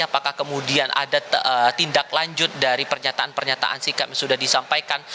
apakah kemudian ada tindak lanjut dari pernyataan pernyataan sikap yang sudah disampaikan